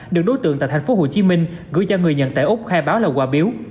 được đối tượng tại tp hcm gửi cho người nhận tại úc khai báo là quà biếu